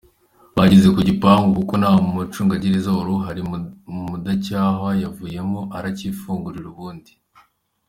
Bageze ku gipangu kuko nta mucungagereza wari uhari Mudacyahwa yavuyemo aracyifungurira ubundi.